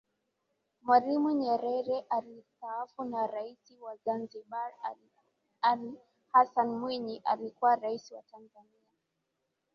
Mwaalimu Nyerere alistaafu na Rais wa Zanzibar Ali Hassan Mwinyi alikuwa Rais wa Tanzania